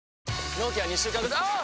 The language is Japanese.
納期は２週間後あぁ！！